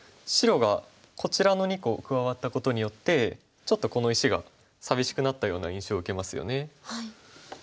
白がこちらの２個加わったことによってちょっとこの石が寂しくなったような印象受けますよね。